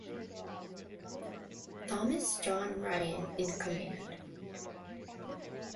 Thomas John Ryan in command.